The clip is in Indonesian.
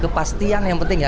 kepastian yang penting ya